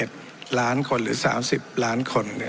๓๑หลานคนหรือ๓๐หลานคน